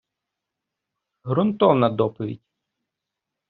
Грунтовна доповідь.